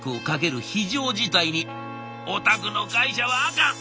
「おたくの会社はあかん。